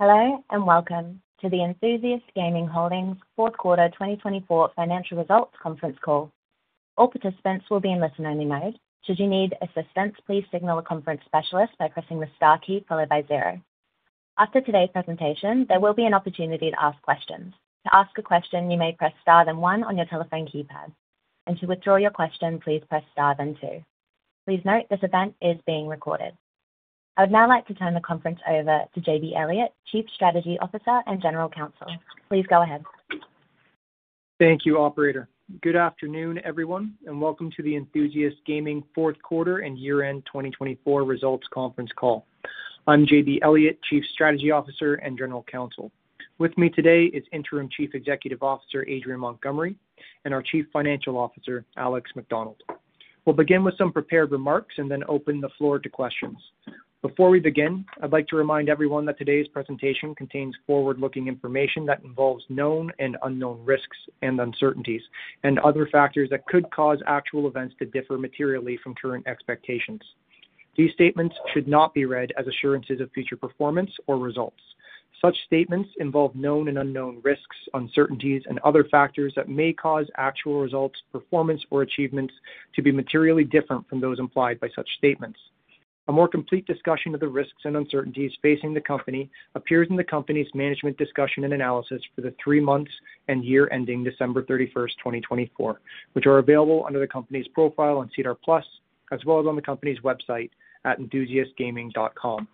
Hello and welcome to the Enthusiast Gaming Holdings fourth quarter 2024 financial results conference call. All participants will be in listen-only mode. Should you need assistance, please signal a conference specialist by pressing the star key followed by zero. After today's presentation, there will be an opportunity to ask questions. To ask a question, you may press star then one on your telephone keypad. To withdraw your question, please press star then two. Please note this event is being recorded. I would now like to turn the conference over to JB Elliott, Chief Strategy Officer and General Counsel. Please go ahead. Thank you, Operator. Good afternoon, everyone, and welcome to the Enthusiast Gaming fourth quarter and year-end 2024 results conference call. I'm JB Elliott, Chief Strategy Officer and General Counsel. With me today is Interim Chief Executive Officer Adrian Montgomery and our Chief Financial Officer, Alex Macdonald. We'll begin with some prepared remarks and then open the floor to questions. Before we begin, I'd like to remind everyone that today's presentation contains forward-looking information that involves known and unknown risks and uncertainties, and other factors that could cause actual events to differ materially from current expectations. These statements should not be read as assurances of future performance or results. Such statements involve known and unknown risks, uncertainties, and other factors that may cause actual results, performance, or achievements to be materially different from those implied by such statements. A more complete discussion of the risks and uncertainties facing the company appears in the company's management discussion and analysis for the three months and year-ending December 31st, 2024, which are available under the company's profile on SEDAR+, as well as on the company's website at enthusiastgaming.com.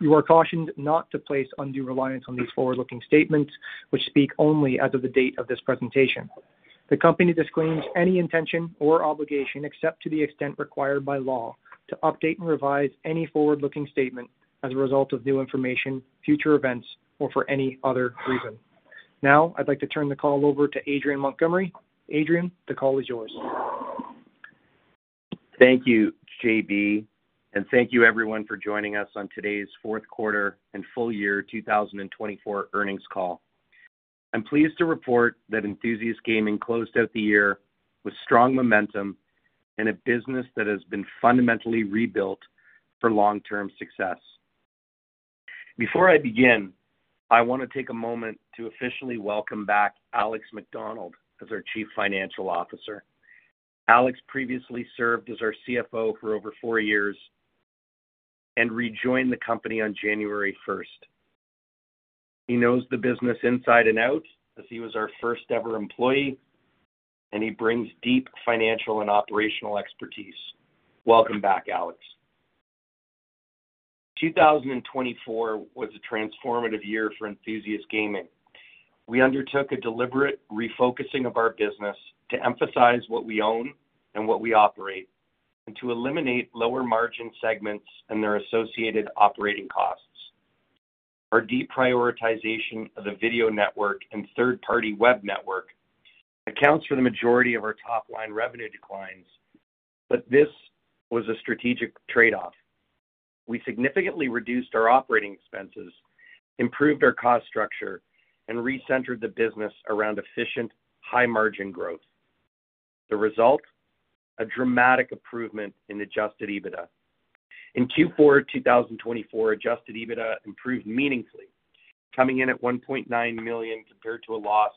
You are cautioned not to place undue reliance on these forward-looking statements, which speak only as of the date of this presentation. The company disclaims any intention or obligation except to the extent required by law to update and revise any forward-looking statement as a result of new information, future events, or for any other reason. Now, I'd like to turn the call over to Adrian Montgomery. Adrian, the call is yours. Thank you, JB, and thank you, everyone, for joining us on today's fourth quarter and full year 2024 earnings call. I'm pleased to report that Enthusiast Gaming closed out the year with strong momentum and a business that has been fundamentally rebuilt for long-term success. Before I begin, I want to take a moment to officially welcome back Alex Macdonald as our Chief Financial Officer. Alex previously served as our CFO for over four years and rejoined the company on January 1st. He knows the business inside and out as he was our first-ever employee, and he brings deep financial and operational expertise. Welcome back, Alex. 2024 was a transformative year for Enthusiast Gaming. We undertook a deliberate refocusing of our business to emphasize what we own and what we operate, and to eliminate lower-margin segments and their associated operating costs. Our deep prioritization of the video network and third-party web network accounts for the majority of our top-line revenue declines, but this was a strategic trade-off. We significantly reduced our operating expenses, improved our cost structure, and recentered the business around efficient, high-margin growth. The result? A dramatic improvement in adjusted EBITDA. In Q4 2024, adjusted EBITDA improved meaningfully, coming in at 1.9 million compared to a loss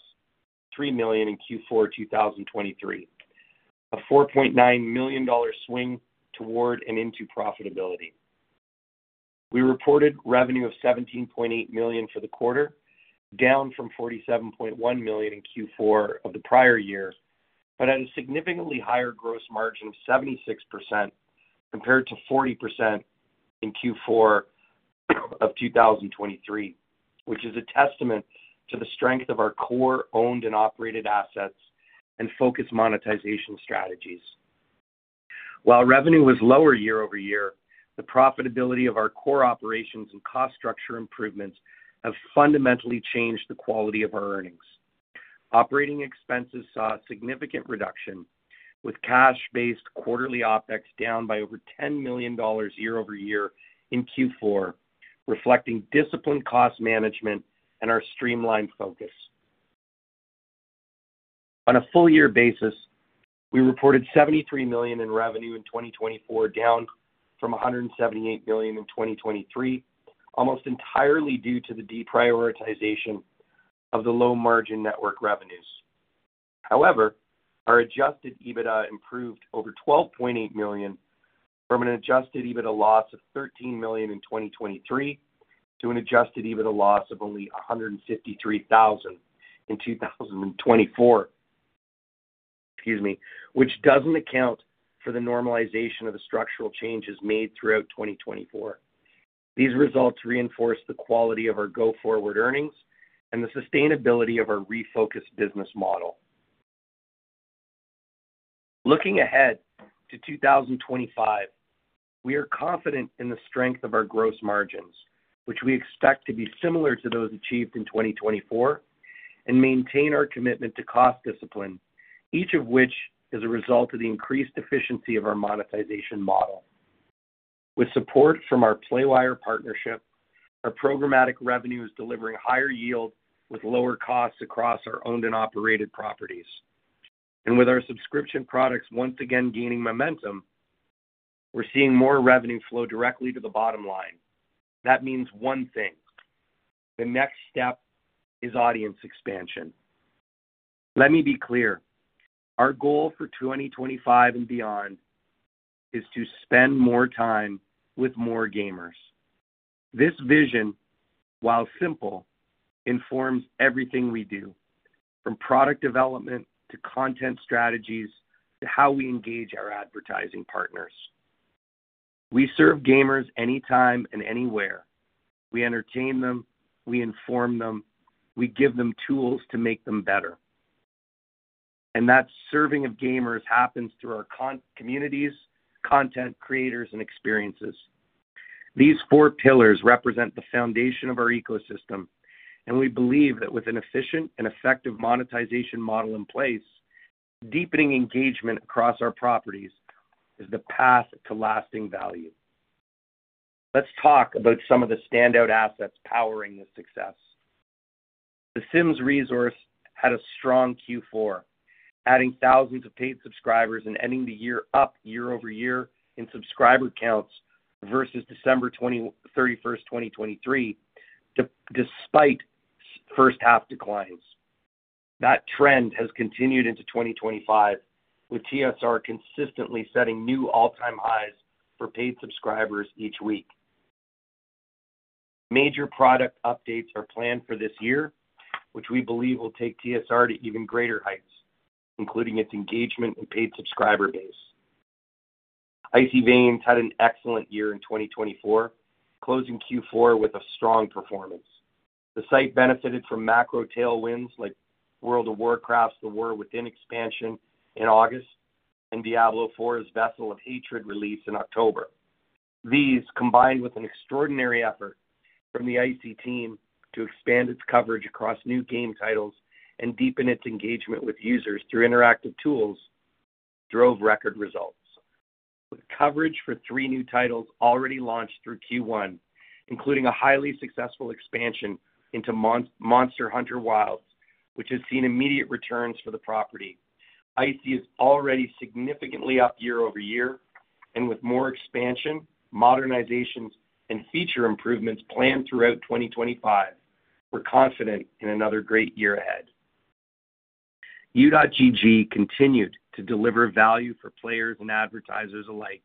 of 3 million in Q4 2023, a 4.9 million dollar swing toward and into profitability. We reported revenue of 17.8 million for the quarter, down from 47.1 million in Q4 of the prior year, but at a significantly higher gross margin of 76% compared to 40% in Q4 of 2023, which is a testament to the strength of our core owned and operated assets and focused monetization strategies. While revenue was lower year-over-year, the profitability of our core operations and cost structure improvements have fundamentally changed the quality of our earnings. Operating expenses saw a significant reduction, with cash-based quarterly OPEX down by over 10 million dollars year-over-year in Q4, reflecting disciplined cost management and our streamlined focus. On a full-year basis, we reported 73 million in revenue in 2024, down from 178 million in 2023, almost entirely due to the deprioritization of the low-margin network revenues. However, our adjusted EBITDA improved over 12.8 million, from an adjusted EBITDA loss of 13 million in 2023 to an adjusted EBITDA loss of only 153,000 in 2024, excuse me, which does not account for the normalization of the structural changes made throughout 2024. These results reinforce the quality of our go-forward earnings and the sustainability of our refocused business model. Looking ahead to 2025, we are confident in the strength of our gross margins, which we expect to be similar to those achieved in 2024, and maintain our commitment to cost discipline, each of which is a result of the increased efficiency of our monetization model. With support from our Playwire partnership, our programmatic revenue is delivering higher yield with lower costs across our owned and operated properties. With our subscription products once again gaining momentum, we're seeing more revenue flow directly to the bottom line. That means one thing: the next step is audience expansion. Let me be clear. Our goal for 2025 and beyond is to spend more time with more gamers. This vision, while simple, informs everything we do, from product development to content strategies to how we engage our advertising partners. We serve gamers anytime and anywhere. We entertain them. We inform them. We give them tools to make them better. That serving of gamers happens through our communities, content creators, and experiences. These four pillars represent the foundation of our ecosystem, and we believe that with an efficient and effective monetization model in place, deepening engagement across our properties is the path to lasting value. Let's talk about some of the standout assets powering this success. The Sims Resource had a strong Q4, adding thousands of paid subscribers and ending the year up year-over-year in subscriber counts versus December 31st, 2023, despite first-half declines. That trend has continued into 2025, with TSR consistently setting new all-time highs for paid subscribers each week. Major product updates are planned for this year, which we believe will take TSR to even greater heights, including its engagement and paid subscriber base. Icy Veins had an excellent year in 2024, closing Q4 with a strong performance. The site benefited from macro tailwinds like World of Warcraft: The War Within expansion in August and Diablo IV: Vessel of Hatred release in October. These, combined with an extraordinary effort from the Icy Veins team to expand its coverage across new game titles and deepen its engagement with users through interactive tools, drove record results, with coverage for three new titles already launched through Q1, including a highly successful expansion into Monster Hunter Wilds, which has seen immediate returns for the property. Icy Veins is already significantly up year-over-year, and with more expansion, modernizations, and feature improvements planned throughout 2025, we're confident in another great year ahead. U.GG continued to deliver value for players and advertisers alike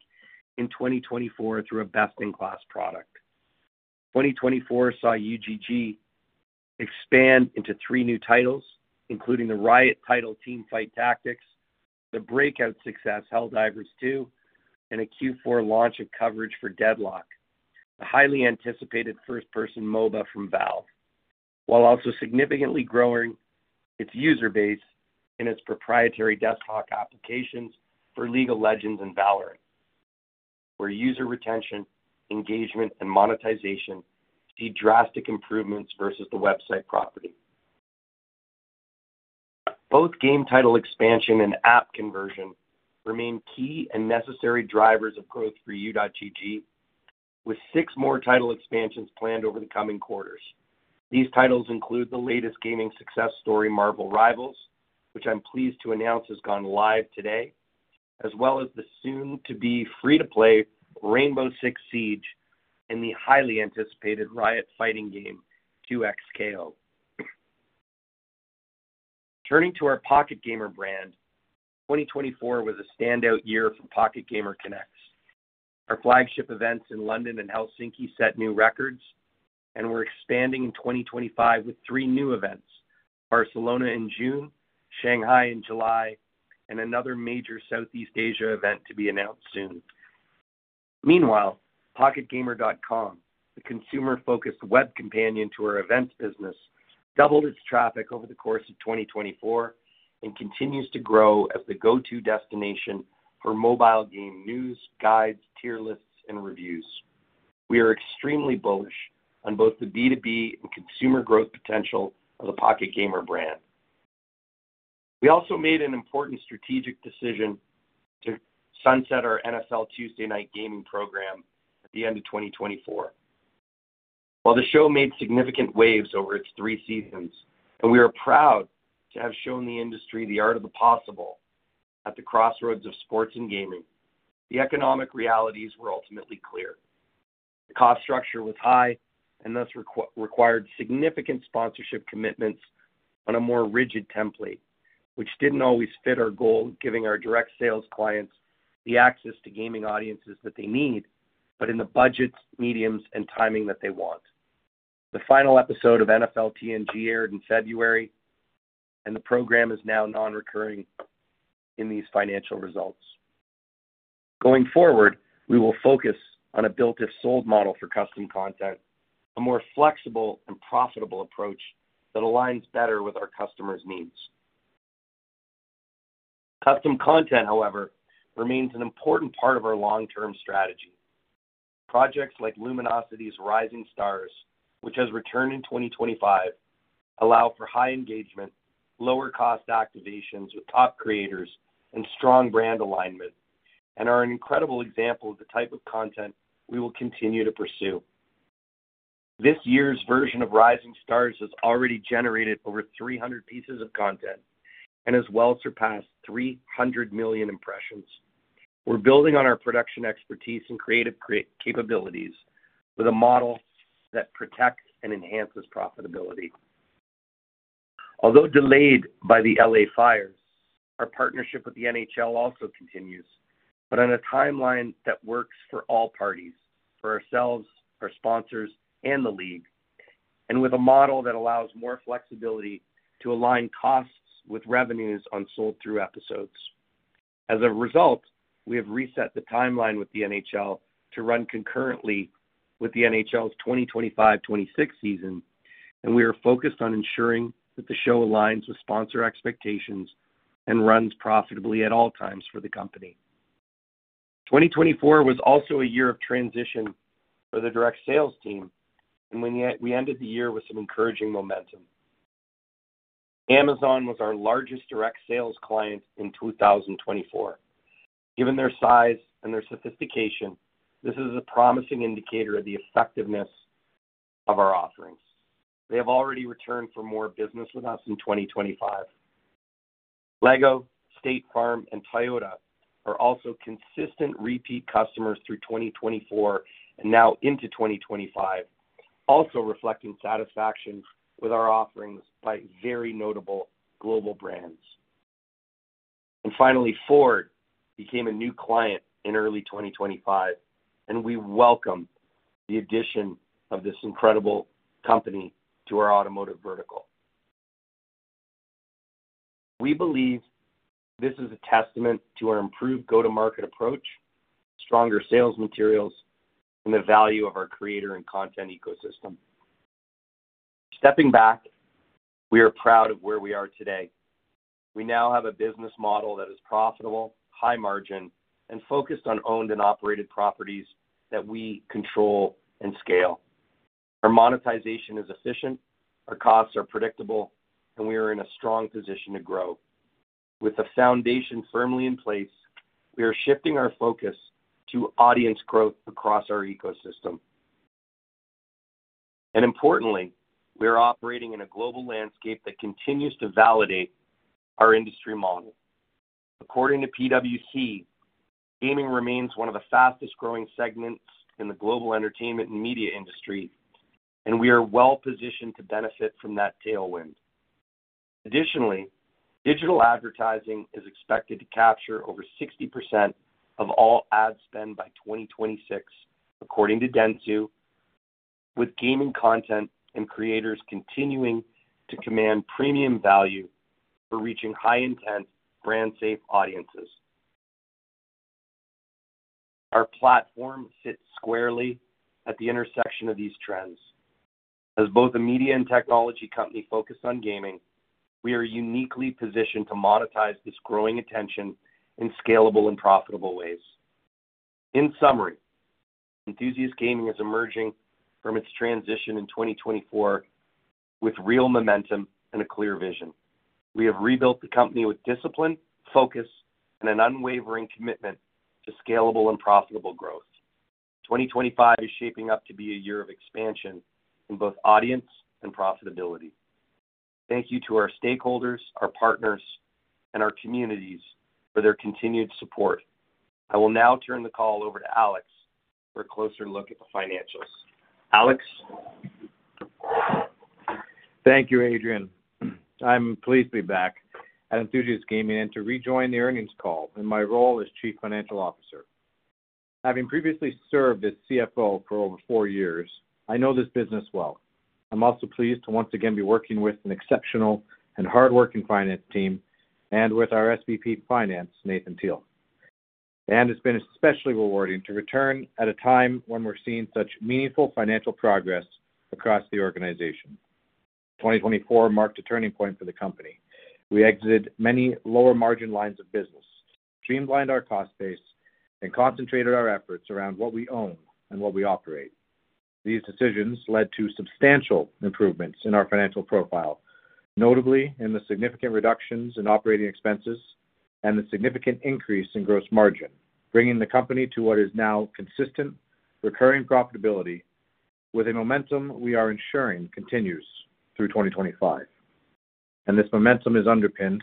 in 2024 through a best-in-class product. 2024 saw U.GG expand into three new titles, including the Riot title Teamfight Tactics, the breakout success Helldivers 2, and a Q4 launch of coverage for Deadlock, the highly anticipated first-person MOBA from Valve, while also significantly growing its user base in its proprietary desktop applications for League of Legends and Valorant, where user retention, engagement, and monetization see drastic improvements versus the website property. Both game title expansion and app conversion remain key and necessary drivers of growth for U.GG, with six more title expansions planned over the coming quarters. These titles include the latest gaming success story, Marvel Rivals, which I'm pleased to announce has gone live today, as well as the soon-to-be free-to-play Rainbow Six Siege and the highly anticipated Riot fighting game, 2XKO. Turning to our Pocket Gamer brand, 2024 was a standout year for Pocket Gamer Connects. Our flagship events in London and Helsinki set new records and we are expanding in 2025 with three new events: Barcelona in June, Shanghai in July, and another major Southeast Asia event to be announced soon. Meanwhile, PocketGamer.com, the consumer-focused web companion to our events business, doubled its traffic over the course of 2024 and continues to grow as the go-to destination for mobile game news, guides, tier lists, and reviews. We are extremely bullish on both the B2B and consumer growth potential of the Pocket Gamer brand. We also made an important strategic decision to sunset our NFL Tuesday Night Gaming program at the end of 2024. While the show made significant waves over its three seasons, and we are proud to have shown the industry the art of the possible at the crossroads of sports and gaming, the economic realities were ultimately clear. The cost structure was high and thus required significant sponsorship commitments on a more rigid template, which did not always fit our goal of giving our direct sales clients the access to gaming audiences that they need, but in the budgets, mediums, and timing that they want. The final episode of NFL TNG aired in February, and the program is now non-recurring in these financial results. Going forward, we will focus on a built-if-sold model for custom content, a more flexible and profitable approach that aligns better with our customers' needs. Custom content, however, remains an important part of our long-term strategy. Projects like Luminosity Rising Stars, which has returned in 2025, allow for high engagement, lower-cost activations with top creators, and strong brand alignment, and are an incredible example of the type of content we will continue to pursue. This year's version of Rising Stars has already generated over 300 pieces of content and has well surpassed 300 million impressions. We're building on our production expertise and creative capabilities with a model that protects and enhances profitability. Although delayed by the L.A. fires, our partnership with the NHL also continues, but on a timeline that works for all parties, for ourselves, our sponsors, and the league, and with a model that allows more flexibility to align costs with revenues on sold-through episodes. As a result, we have reset the timeline with the NHL to run concurrently with the NHL's 2025-2026 season, and we are focused on ensuring that the show aligns with sponsor expectations and runs profitably at all times for the company. 2024 was also a year of transition for the direct sales team, and we ended the year with some encouraging momentum. Amazon was our largest direct sales client in 2024. Given their size and their sophistication, this is a promising indicator of the effectiveness of our offerings. They have already returned for more business with us in 2025. LEGO, State Farm, and Toyota are also consistent repeat customers through 2024 and now into 2025, also reflecting satisfaction with our offerings by very notable global brands. Finally, Ford became a new client in early 2025, and we welcome the addition of this incredible company to our automotive vertical. We believe this is a testament to our improved go-to-market approach, stronger sales materials, and the value of our creator and content ecosystem. Stepping back, we are proud of where we are today. We now have a business model that is profitable, high-margin, and focused on owned and operated properties that we control and scale. Our monetization is efficient, our costs are predictable, and we are in a strong position to grow. With the foundation firmly in place, we are shifting our focus to audience growth across our ecosystem. Importantly, we are operating in a global landscape that continues to validate our industry model. According to PwC, gaming remains one of the fastest-growing segments in the global entertainment and media industry, and we are well-positioned to benefit from that tailwind. Additionally, digital advertising is expected to capture over 60% of all ad spend by 2026, according to Dentsu, with gaming content and creators continuing to command premium value for reaching high-intent, brand-safe audiences. Our platform sits squarely at the intersection of these trends. As both a media and technology company focused on gaming, we are uniquely positioned to monetize this growing attention in scalable and profitable ways. In summary, Enthusiast Gaming is emerging from its transition in 2024 with real momentum and a clear vision. We have rebuilt the company with discipline, focus, and an unwavering commitment to scalable and profitable growth. 2025 is shaping up to be a year of expansion in both audience and profitability. Thank you to our stakeholders, our partners, and our communities for their continued support. I will now turn the call over to Alex for a closer look at the financials. Alex. Thank you, Adrian. I'm pleased to be back at Enthusiast Gaming and to rejoin the earnings call in my role as Chief Financial Officer. Having previously served as CFO for over four years, I know this business well. I'm also pleased to once again be working with an exceptional and hardworking finance team and with our SVP of Finance, Nathan Teal. It has been especially rewarding to return at a time when we are seeing such meaningful financial progress across the organization. 2024 marked a turning point for the company. We exited many lower-margin lines of business, streamlined our cost base, and concentrated our efforts around what we own and what we operate. These decisions led to substantial improvements in our financial profile, notably in the significant reductions in operating expenses and the significant increase in gross margin, bringing the company to what is now consistent recurring profitability, with a momentum we are ensuring continues through 2025. This momentum is underpinned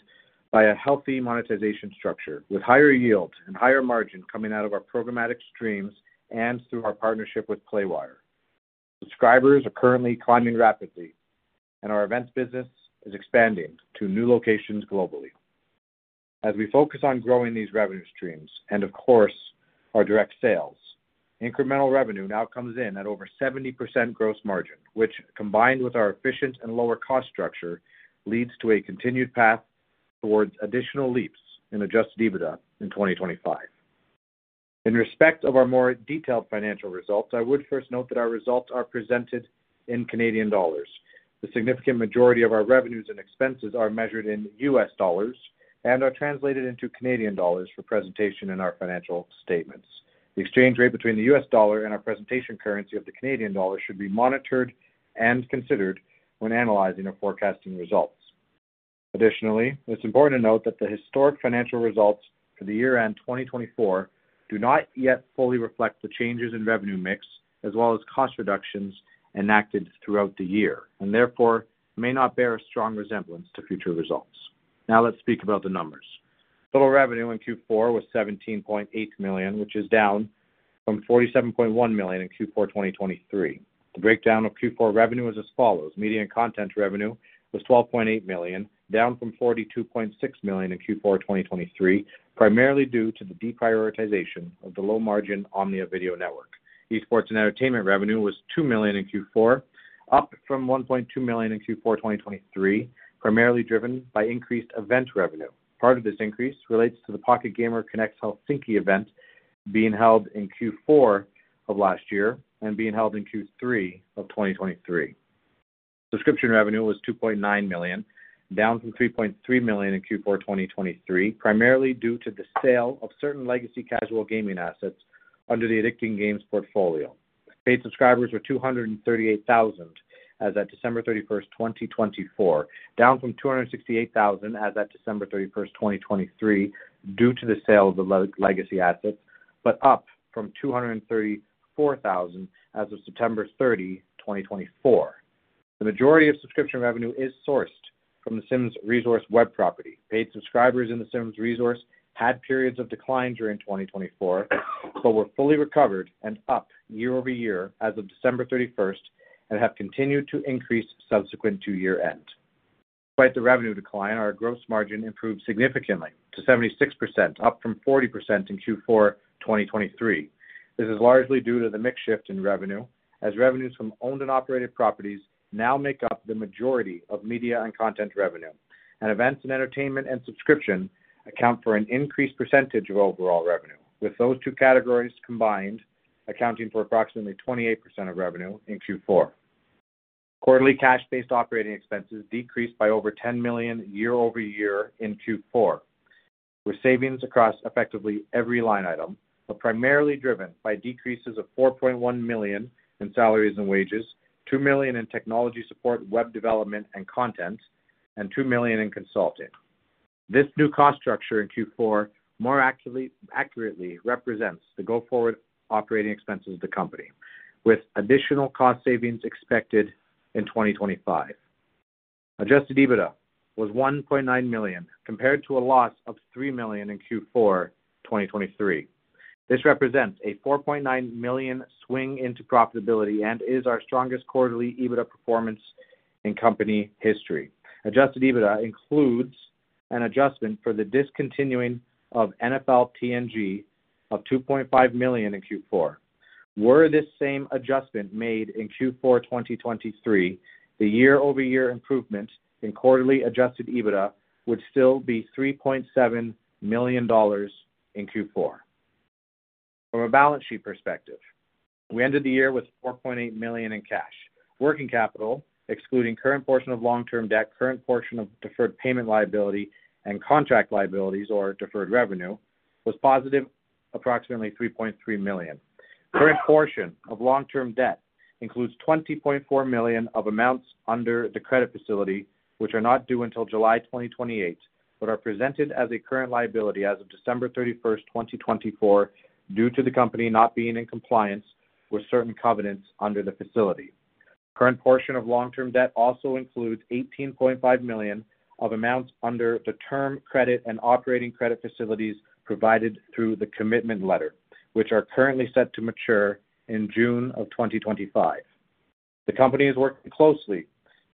by a healthy monetization structure, with higher yield and higher margin coming out of our programmatic streams and through our partnership with Playwire. Subscribers are currently climbing rapidly, and our events business is expanding to new locations globally. As we focus on growing these revenue streams and, of course, our direct sales, incremental revenue now comes in at over 70% gross margin, which, combined with our efficient and lower-cost structure, leads to a continued path towards additional leaps in adjusted EBITDA in 2025. In respect of our more detailed financial results, I would first note that our results are presented in CAD. The significant majority of our revenues and expenses are measured in USD and are translated into CAD for presentation in our financial statements. The exchange rate between the USD and our presentation currency of the CAD should be monitored and considered when analyzing our forecasting results. Additionally, it's important to note that the historic financial results for the year-end 2024 do not yet fully reflect the changes in revenue mix, as well as cost reductions enacted throughout the year, and therefore may not bear a strong resemblance to future results. Now let's speak about the numbers. Total revenue in Q4 was CAD 17.8 million, which is down from CAD 47.1 million in Q4 2023. The breakdown of Q4 revenue is as follows. Media and content revenue was 12.8 million, down from 42.6 million in Q4 2023, primarily due to the deprioritization of the low-margin Omnia video network. Esports and entertainment revenue was 2 million in Q4, up from 1.2 million in Q4 2023, primarily driven by increased event revenue. Part of this increase relates to the Pocket Gamer Connects Helsinki event being held in Q4 of last year and being held in Q3 of 2023. Subscription revenue was 2.9 million, down from 3.3 million in Q4 2023, primarily due to the sale of certain legacy casual gaming assets under the Addicting Games portfolio. Paid subscribers were 238,000 as of December 31st, 2024, down from 268,000 as of December 31st, 2023, due to the sale of the legacy assets, but up from 234,000 as of September 30, 2024. The majority of subscription revenue is sourced from The Sims Resource web property. Paid subscribers in The Sims Resource had periods of decline during 2024, but were fully recovered and up year-over-year as of December 31 and have continued to increase subsequent to year-end. Despite the revenue decline, our gross margin improved significantly to 76%, up from 40% in Q4 2023. This is largely due to the mixed shift in revenue, as revenues from owned and operated properties now make up the majority of media and content revenue, and events and entertainment and subscription account for an increased percentage of overall revenue, with those two categories combined accounting for approximately 28% of revenue in Q4. Quarterly cash-based operating expenses decreased by over 10 million year-over-year in Q4, with savings across effectively every line item, but primarily driven by decreases of 4.1 million in salaries and wages, 2 million in technology support, web development, and content, and 2 million in consulting. This new cost structure in Q4 more accurately represents the go-forward operating expenses of the company, with additional cost savings expected in 2025. Adjusted EBITDA was 1.9 million, compared to a loss of 3 million in Q4 2023. This represents a 4.9 million swing into profitability and is our strongest quarterly EBITDA performance in company history. Adjusted EBITDA includes an adjustment for the discontinuing of NFL TNG of 2.5 million in Q4. Were this same adjustment made in Q4 2023, the year-over-year improvement in quarterly adjusted EBITDA would still be 3.7 million dollars in Q4. From a balance sheet perspective, we ended the year with 4.8 million in cash. Working capital, excluding current portion of long-term debt, current portion of deferred payment liability, and contract liabilities, or deferred revenue, was positive approximately 3.3 million. Current portion of long-term debt includes 20.4 million of amounts under the credit facility, which are not due until July 2028, but are presented as a current liability as of December 31st, 2024, due to the company not being in compliance with certain covenants under the facility. Current portion of long-term debt also includes 18.5 million of amounts under the term credit and operating credit facilities provided through the commitment letter, which are currently set to mature in June of 2025. The company is working closely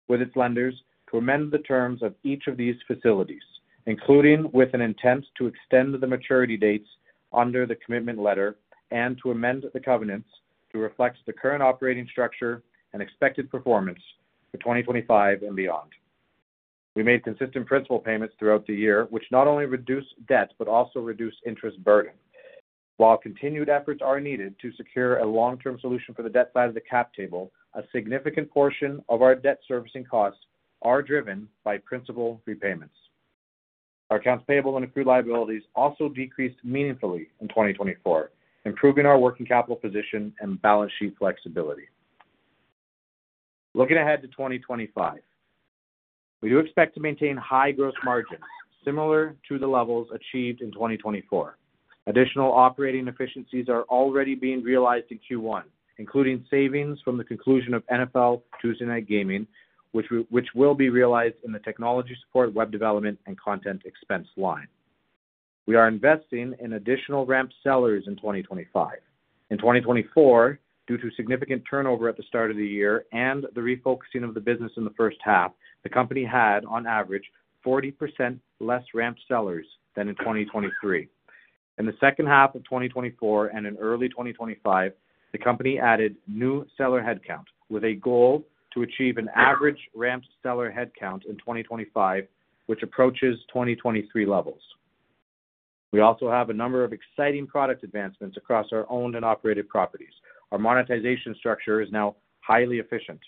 with its lenders to amend the terms of each of these facilities, including with an intent to extend the maturity dates under the commitment letter and to amend the covenants to reflect the current operating structure and expected performance for 2025 and beyond. We made consistent principal payments throughout the year, which not only reduced debt, but also reduced interest burden. While continued efforts are needed to secure a long-term solution for the debt side of the cap table, a significant portion of our debt servicing costs are driven by principal repayments. Our accounts payable and accrued liabilities also decreased meaningfully in 2024, improving our working capital position and balance sheet flexibility. Looking ahead to 2025, we do expect to maintain high gross margins, similar to the levels achieved in 2024. Additional operating efficiencies are already being realized in Q1, including savings from the conclusion of NFL Tuesday Night Gaming, which will be realized in the technology support, web development, and content expense line. We are investing in additional ramped sellers in 2025. In 2024, due to significant turnover at the start of the year and the refocusing of the business in the first half, the company had, on average, 40% less ramped sellers than in 2023. In the second half of 2024 and in early 2025, the company added new seller headcount, with a goal to achieve an average ramped seller headcount in 2025, which approaches 2023 levels. We also have a number of exciting product advancements across our owned and operated properties. Our monetization structure is now highly efficient,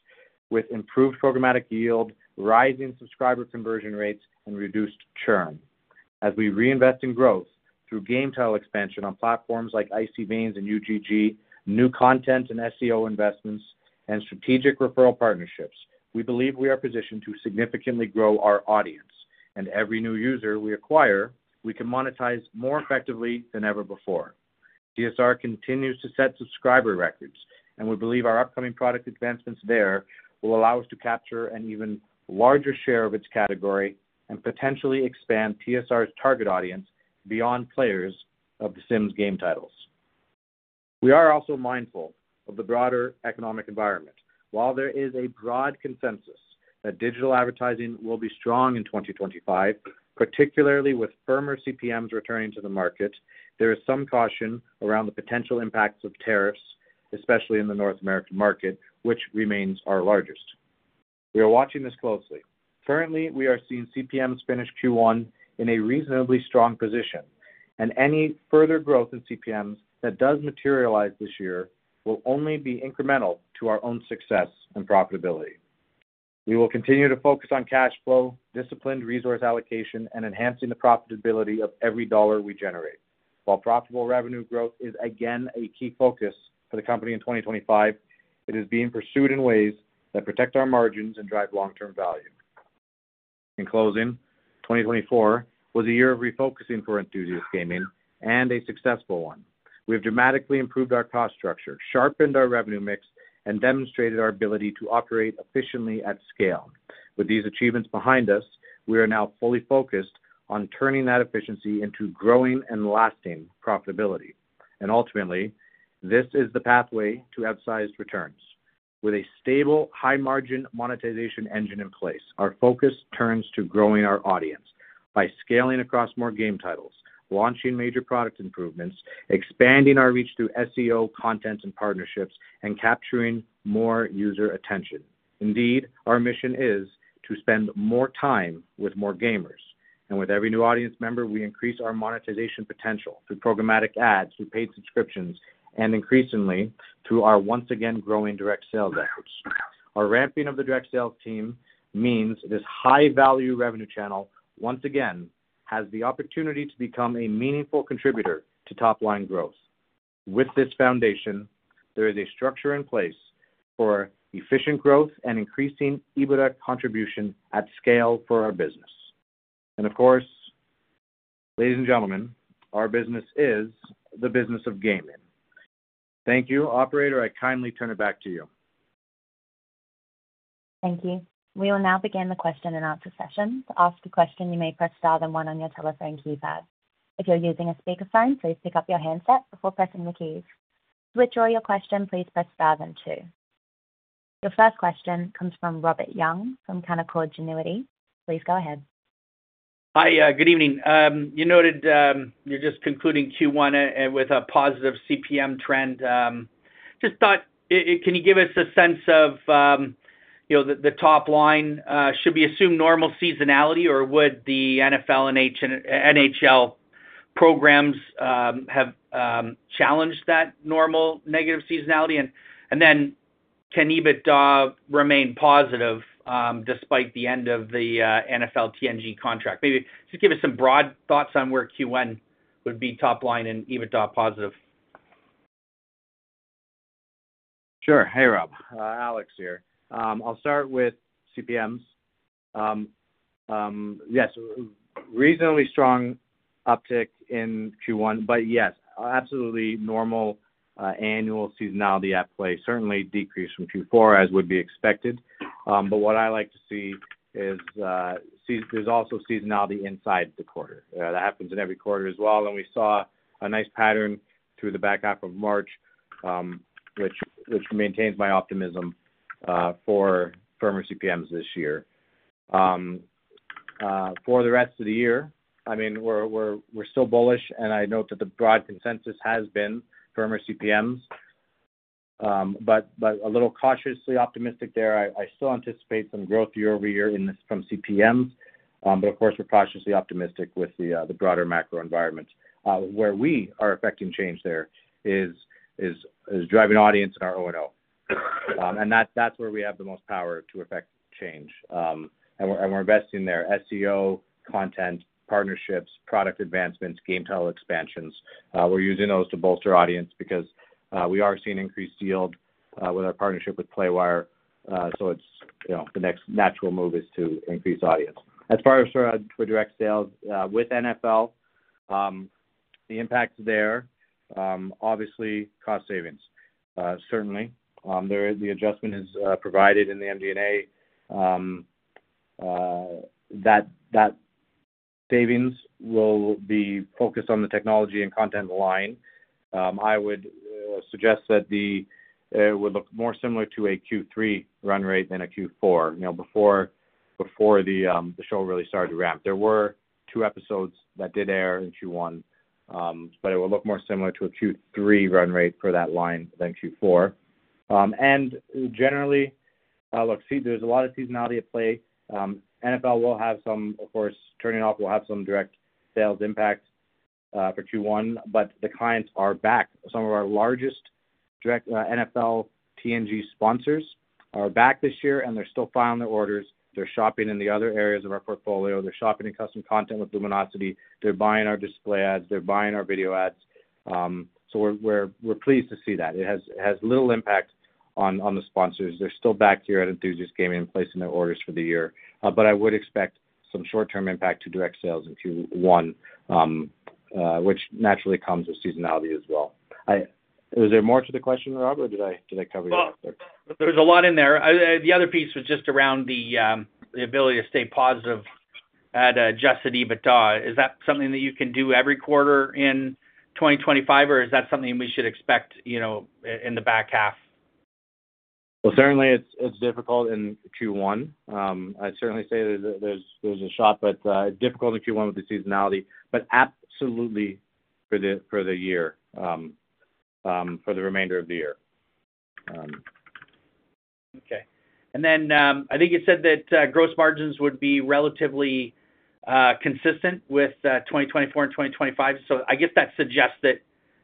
with improved programmatic yield, rising subscriber conversion rates, and reduced churn. As we reinvest in growth through game title expansion on platforms like Icy Veins and U.GG, new content and SEO investments, and strategic referral partnerships, we believe we are positioned to significantly grow our audience. Every new user we acquire, we can monetize more effectively than ever before. TSR continues to set subscriber records, and we believe our upcoming product advancements there will allow us to capture an even larger share of its category and potentially expand TSR's target audience beyond players of The Sims game titles. We are also mindful of the broader economic environment. While there is a broad consensus that digital advertising will be strong in 2025, particularly with firmer CPMs returning to the market, there is some caution around the potential impacts of tariffs, especially in the North American market, which remains our largest. We are watching this closely. Currently, we are seeing CPMs finish Q1 in a reasonably strong position, and any further growth in CPMs that does materialize this year will only be incremental to our own success and profitability. We will continue to focus on cash flow, disciplined resource allocation, and enhancing the profitability of every dollar we generate. While profitable revenue growth is again a key focus for the company in 2025, it is being pursued in ways that protect our margins and drive long-term value. In closing, 2024 was a year of refocusing for Enthusiast Gaming and a successful one. We have dramatically improved our cost structure, sharpened our revenue mix, and demonstrated our ability to operate efficiently at scale. With these achievements behind us, we are now fully focused on turning that efficiency into growing and lasting profitability. Ultimately, this is the pathway to outsized returns. With a stable, high-margin monetization engine in place, our focus turns to growing our audience by scaling across more game titles, launching major product improvements, expanding our reach through SEO, content, and partnerships, and capturing more user attention. Indeed, our mission is to spend more time with more gamers. With every new audience member, we increase our monetization potential through programmatic ads, through paid subscriptions, and increasingly through our once-again-growing direct sales efforts. Our ramping of the direct sales team means this high-value revenue channel once again has the opportunity to become a meaningful contributor to top-line growth. With this foundation, there is a structure in place for efficient growth and increasing EBITDA contribution at scale for our business. Of course, ladies and gentlemen, our business is the business of gaming. Thank you, Operator. I kindly turn it back to you. Thank you. We will now begin the question and answer session. To ask a question, you may press star then one on your telephone keypad. If you're using a speakerphone, please pick up your handset before pressing the keys. To withdraw your question, please press star then two. Your first question comes from Robert Young from Canaccord Genuity. Please go ahead. Hi, good evening. You noted you're just concluding Q1 with a positive CPM trend. Just thought, can you give us a sense of the top line? Should we assume normal seasonality, or would the NFL and NHL programs have challenged that normal negative seasonality? Can EBITDA remain positive despite the end of the NFL TNG contract? Maybe just give us some broad thoughts on where Q1 would be top line and EBITDA positive. Sure. Hey, Rob. Alex here. I'll start with CPMs. Yes, reasonably strong uptick in Q1, but yes, absolutely normal annual seasonality at play. Certainly decreased from Q4, as would be expected. What I like to see is there's also seasonality inside the quarter. That happens in every quarter as well. We saw a nice pattern through the back half of March, which maintains my optimism for firmer CPMs this year. For the rest of the year, I mean, we're still bullish, and I note that the broad consensus has been firmer CPMs. A little cautiously optimistic there. I still anticipate some growth year-over-year from CPMs, but of course, we're cautiously optimistic with the broader macro environment. Where we are affecting change there is driving audience in our O&O. That's where we have the most power to affect change. We're investing there. SEO, content, partnerships, product advancements, game title expansions. We're using those to bolster audience because we are seeing increased yield with our partnership with Playwire. The next natural move is to increase audience. As far as for direct sales with NFL, the impact there, obviously, cost savings. Certainly, the adjustment is provided in the MD&A. That savings will be focused on the technology and content line. I would suggest that it would look more similar to a Q3 run rate than a Q4. Before the show really started to ramp, there were two episodes that did air in Q1, but it will look more similar to a Q3 run rate for that line than Q4. Generally, look, see, there's a lot of seasonality at play. NFL will have some, of course, turning off will have some direct sales impact for Q1, but the clients are back. Some of our largest direct NFL TNG sponsors are back this year, and they're still filing their orders. They're shopping in the other areas of our portfolio. They're shopping in custom content with Luminosity. They're buying our display ads. They're buying our video ads. We are pleased to see that. It has little impact on the sponsors. They're still back here at Enthusiast Gaming and placing their orders for the year. I would expect some short-term impact to direct sales in Q1, which naturally comes with seasonality as well. Is there more to the question, Rob, or did I cover it? There's a lot in there. The other piece was just around the ability to stay positive at adjusted EBITDA. Is that something that you can do every quarter in 2025, or is that something we should expect in the back half? Certainly, it's difficult in Q1. I certainly say there's a shot, but difficult in Q1 with the seasonality, but absolutely for the year, for the remainder of the year. Okay. I think you said that gross margins would be relatively consistent with 2024 and 2025. I guess that suggests that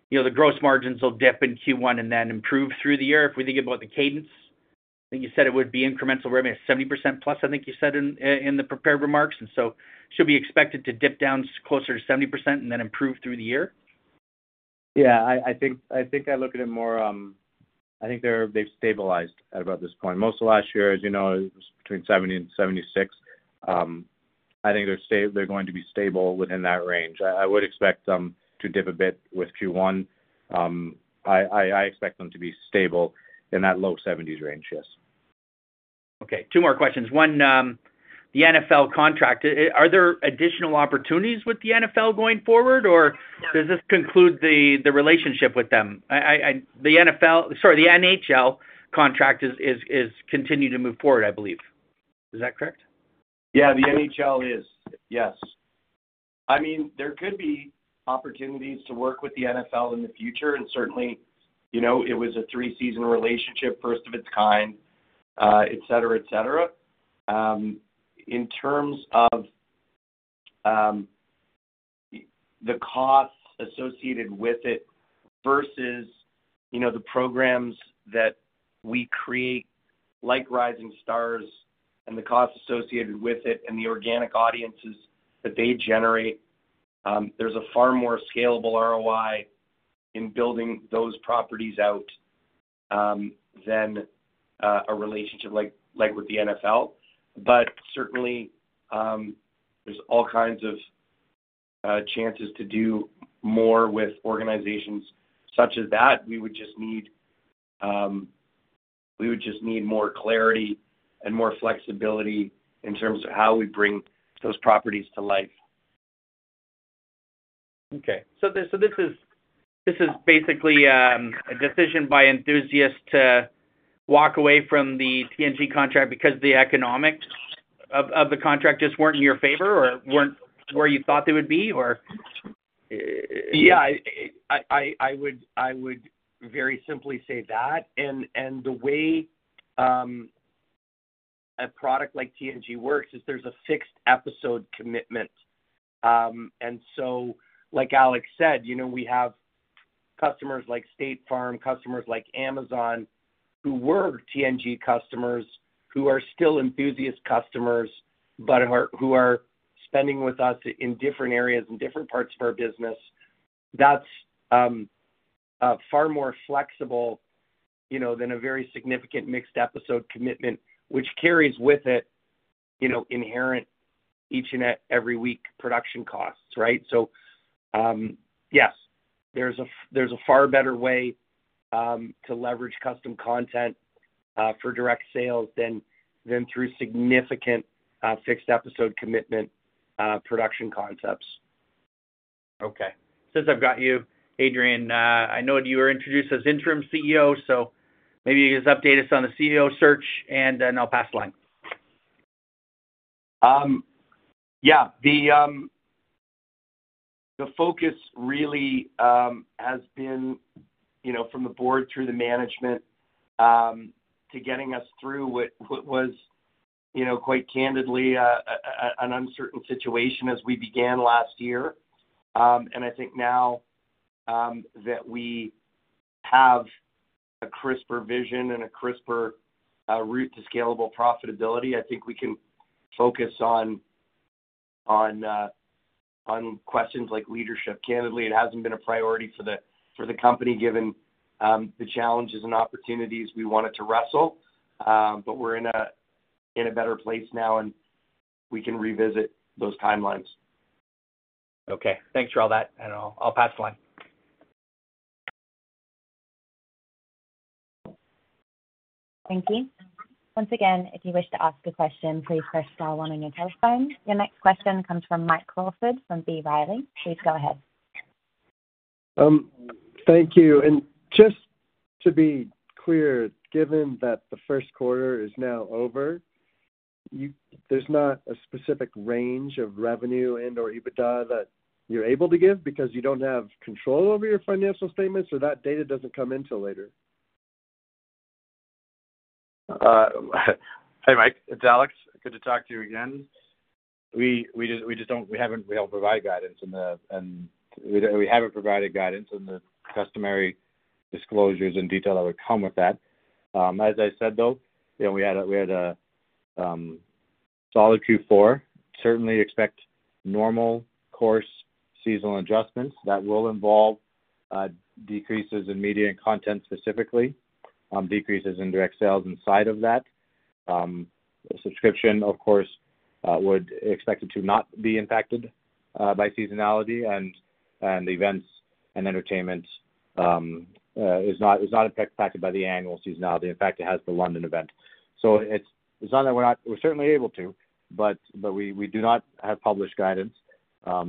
the gross margins will dip in Q1 and then improve through the year. If we think about the cadence, I think you said it would be incremental revenue, 70%+, I think you said in the prepared remarks. Should we expect it to dip down closer to 70% and then improve through the year? Yeah. I think I look at it more, I think they've stabilized at about this point. Most of last year, as you know, it was between 70%-76%. I think they're going to be stable within that range. I would expect them to dip a bit with Q1. I expect them to be stable in that low 70% range, yes. Okay. Two more questions. One, the NFL contract. Are there additional opportunities with the NFL going forward, or does this conclude the relationship with them? The NFL, sorry, the NHL contract is continuing to move forward, I believe. Is that correct? Yeah, the NHL is. Yes. I mean, there could be opportunities to work with the NFL in the future. Certainly, it was a three-season relationship, first of its kind, etc., etc. In terms of the costs associated with it versus the programs that we create like Rising Stars and the costs associated with it and the organic audiences that they generate, there is a far more scalable ROI in building those properties out than a relationship like with the NFL. Certainly, there are all kinds of chances to do more with organizations such as that. We would just need more clarity and more flexibility in terms of how we bring those properties to life. Okay. This is basically a decision by Enthusiast to walk away from the TNG contract because the economics of the contract just were not in your favor or were not where you thought they would be, or? Yeah. I would very simply say that. The way a product like TNG works is there's a fixed episode commitment. Like Alex said, we have customers like State Farm, customers like Amazon who were TNG customers, who are still Enthusiast customers, but who are spending with us in different areas and different parts of our business. That's far more flexible than a very significant fixed episode commitment, which carries with it inherent each and every week production costs, right? Yes, there's a far better way to leverage custom content for direct sales than through significant fixed episode commitment production concepts. Okay. Since I've got you, Adrian, I know you were introduced as interim CEO, so maybe you can just update us on the CEO search, and then I'll pass the line. Yeah. The focus really has been from the board through the management to getting us through what was, quite candidly, an uncertain situation as we began last year. I think now that we have a crisper vision and a crisper route to scalable profitability, I think we can focus on questions like leadership. Candidly, it hasn't been a priority for the company given the challenges and opportunities we wanted to wrestle. We're in a better place now, and we can revisit those timelines. Okay. Thanks for all that. I'll pass the line. Thank you. Once again, if you wish to ask a question, please press star one on your telephone. Your next question comes from Mike Crawford from B. Riley Securities. Please go ahead. Thank you. Just to be clear, given that the first quarter is now over, there's not a specific range of revenue and/or EBITDA that you're able to give because you don't have control over your financial statements or that data doesn't come in till later? Hey, Mike. It's Alex. Good to talk to you again. We just don't, we haven't been able to provide guidance, and we haven't provided guidance on the customary disclosures and detail that would come with that. As I said, though, we had a solid Q4. Certainly expect normal course seasonal adjustments that will involve decreases in media and content specifically, decreases in direct sales inside of that. Subscription, of course, would expect it to not be impacted by seasonality. The events and entertainment is not impacted by the annual seasonality. In fact, it has the London event. It's not that we're certainly able to, but we do not have published guidance. I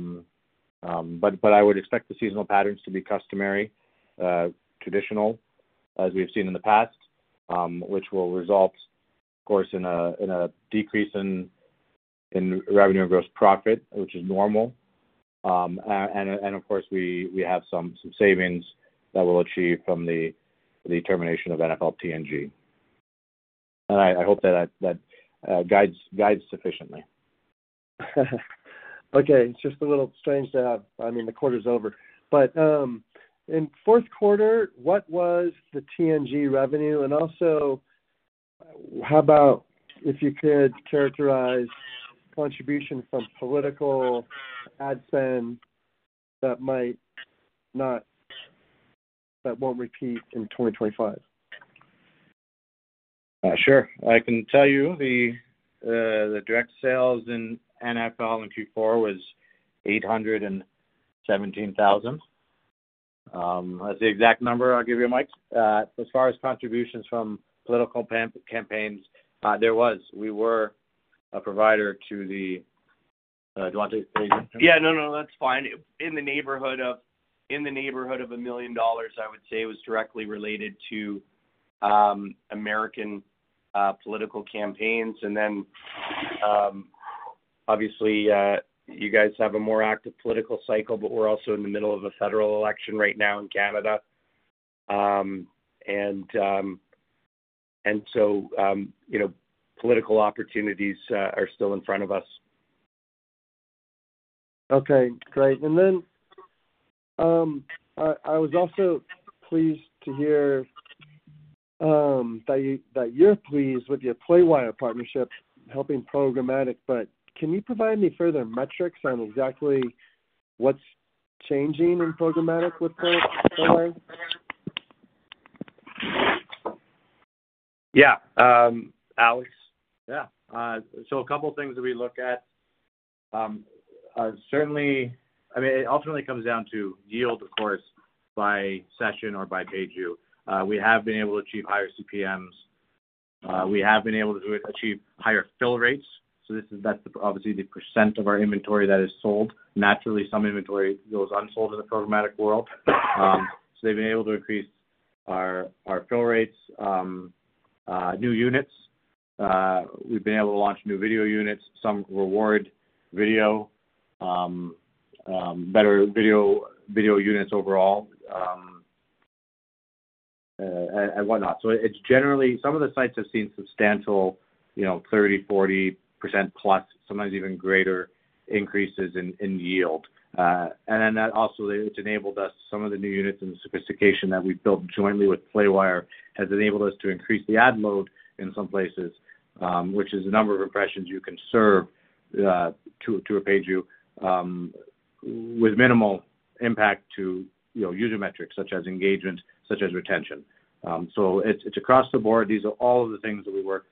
would expect the seasonal patterns to be customary, traditional, as we have seen in the past, which will result, of course, in a decrease in revenue and gross profit, which is normal. Of course, we have some savings that we'll achieve from the termination of NFL TNG. I hope that guides sufficiently. Okay. It's just a little strange to have, I mean, the quarter's over. In fourth quarter, what was the TNG revenue? Also, how about if you could characterize contribution from political ad spend that might not, that won't repeat in 2025? Sure. I can tell you the direct sales in NFL in Q4 was $817,000. That's the exact number I'll give you, Mike. As far as contributions from political campaigns, there was. We were a provider to the do you want to say? Yeah. No, no. That's fine. In the neighborhood of a million dollars, I would say, was directly related to American political campaigns. Obviously, you guys have a more active political cycle, but we're also in the middle of a federal election right now in Canada. Political opportunities are still in front of us. Okay. Great. I was also pleased to hear that you're pleased with your Playwire partnership helping programmatic. Can you provide me further metrics on exactly what's changing in programmatic with Playwire? Yeah. Alex. Yeah. A couple of things that we look at. Certainly, I mean, it ultimately comes down to yield, of course, by session or by page. We have been able to achieve higher CPMs. We have been able to achieve higher fill rates. That is obviously the percent of our inventory that is sold. Naturally, some inventory goes unsold in the programmatic world. They have been able to increase our fill rates, new units. We have been able to launch new video units, some reward video, better video units overall, and whatnot. It is generally some of the sites have seen substantial 30%-40%+, sometimes even greater increases in yield. That also has enabled us, some of the new units and the sophistication that we have built jointly with Playwire has enabled us to increase the ad load in some places, which is the number of impressions you can serve to a page with minimal impact to user metrics such as engagement, such as retention. It is across the board. These are all of the things that we work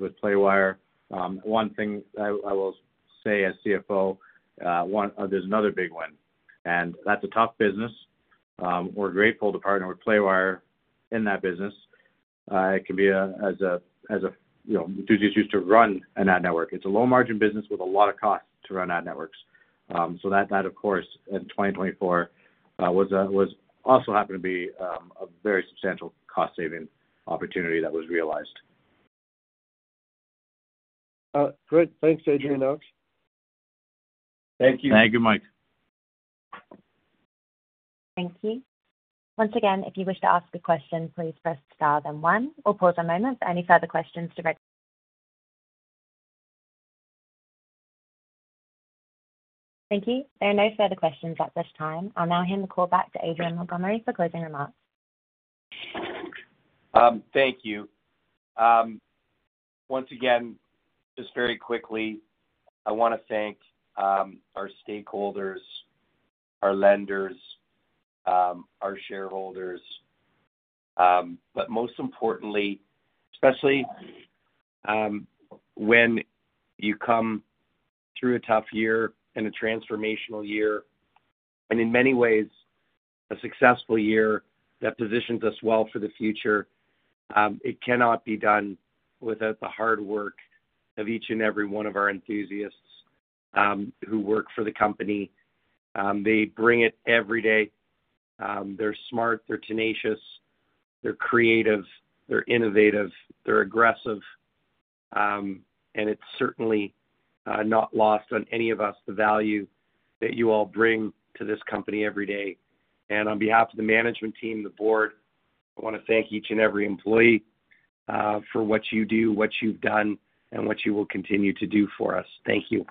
with Playwire. One thing I will say as CFO, there's another big one. That's a tough business. We're grateful to partner with Playwire in that business. It can be as Enthusiast used to run an ad network. It's a low-margin business with a lot of costs to run ad networks. That, of course, in 2024, was also a very substantial cost-saving opportunity that was realized. Great. Thanks, Adrian and Alex. Thank you. Thank you, Mike. Thank you. Once again, if you wish to ask a question, please press star then one. We'll pause a moment for any further questions direct. Thank you. There are no further questions at this time. I'll now hand the call back to Adrian Montgomery for closing remarks. Thank you. Once again, just very quickly, I want to thank our stakeholders, our lenders, our shareholders. Most importantly, especially when you come through a tough year and a transformational year and in many ways a successful year that positions us well for the future, it cannot be done without the hard work of each and every one of our Enthusiasts who work for the company. They bring it every day. They're smart. They're tenacious. They're creative. They're innovative. They're aggressive. It is certainly not lost on any of us the value that you all bring to this company every day. On behalf of the management team, the board, I want to thank each and every employee for what you do, what you've done, and what you will continue to do for us. Thank you.